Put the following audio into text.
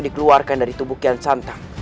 dikeluarkan dari tubuh kian santa